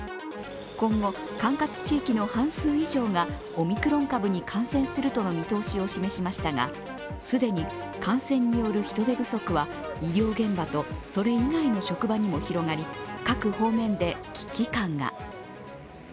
今後、管轄地域の半数以上がオミクロン株に感染するとの見通しを示しましたが、既に感染による人手不足は医療現場と、それ以外の職場にも広がり各方面で危機感が。